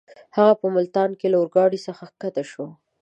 هغه په ملتان کې له اورګاډۍ څخه کښته شو.